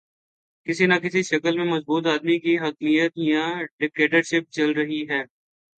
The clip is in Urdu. کسی نہ کسی شکل میں مضبوط آدمی کی حاکمیت یا ڈکٹیٹرشپ چل رہی تھی۔